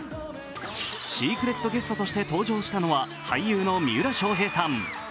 シークレットゲストとして登場したのは俳優の三浦翔平さん。